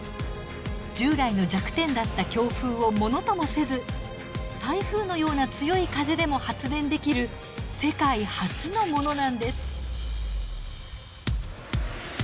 従来の弱点だった強風をものともせず台風のような強い風でも発電できる世界初のものなんです。